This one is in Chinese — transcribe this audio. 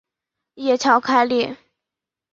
叶鞘开裂。